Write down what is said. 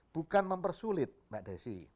bukan mempersulit mbak desi